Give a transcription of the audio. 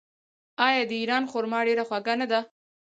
آیا د ایران خرما ډیره خوږه نه ده؟